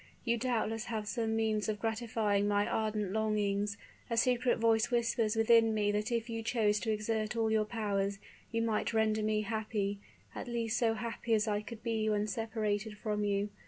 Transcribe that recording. You doubtless have some means of gratifying my ardent longings. A secret voice whispers within me that if you chose to exert all your powers, you might render me happy at least so happy as I could be when separated from you!